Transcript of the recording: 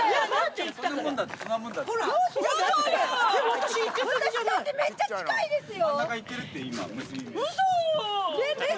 私だってめっちゃ近いですよ！